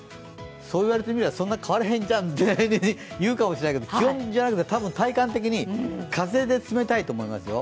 そう言われるとそんなに変わらないじゃんと言われるかもしれませんが気温じゃなくて、多分、体感的に風で冷たいと思いますよ。